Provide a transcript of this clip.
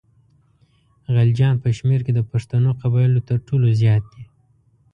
غلجیان په شمېر کې د پښتنو قبایلو تر ټولو زیات دي.